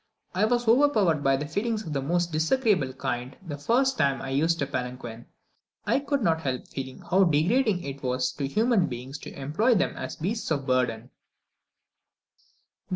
I was overpowered by feelings of the most disagreeable kind the first time I used a palanquin. I could not help feeling how degrading it was to human beings to employ them as beasts of burden.